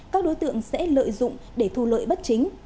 các đối tượng sẽ lợi dụng để thu lợi bất chính